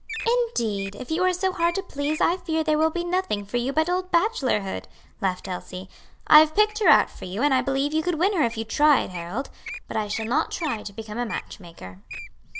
"Indeed! if you are so hard to please, I fear there will be nothing for you but old bachelorhood," laughed Elsie. "I have picked her out for you, and I believe you could win her if you tried, Harold; but I shall not try to become a match maker."